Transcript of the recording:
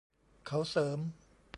เขาเสริม